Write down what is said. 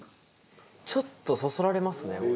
ちょっとそそられますね。